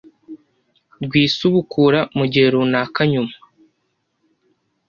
rw isubukura mu gihe runaka nyuma